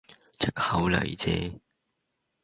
藉口嚟啫